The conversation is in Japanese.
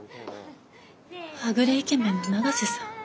はぐれイケメンの永瀬さん。